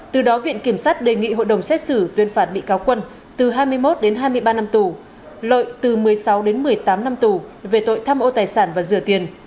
từ đó viện kiểm sát đề nghị hội đồng xét xử tuyên phạt bị cáo quân từ hai mươi một đến hai mươi ba năm tù lợi từ một mươi sáu đến một mươi tám năm tù về tội tham ô tài sản và rửa tiền